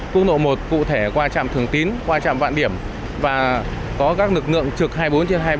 quốc lộ một cụ thể qua trạm thường tín qua trạm vạn điểm và có các lực lượng trực hai mươi bốn trên hai mươi bốn